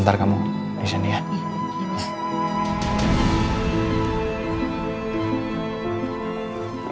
lihatlah dulu sadar apa